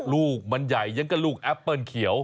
ลูกมันใหญ่ยังก็ลูกแอปเปิ้ลเขียว